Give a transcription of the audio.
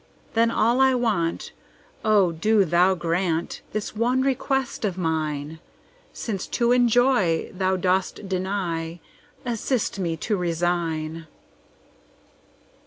Then all I want—O do Thou grantThis one request of mine!—Since to enjoy Thou dost deny, Assist me to resign.